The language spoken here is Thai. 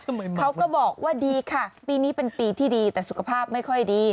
เขาก็บอกว่าดีค่ะปีนี้เป็นปีที่ดีแต่สุขภาพไม่ค่อยดี